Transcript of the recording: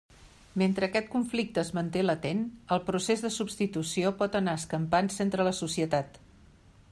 Mentre aquest conflicte es manté latent, el procés de substitució pot anar escampant-se entre la societat.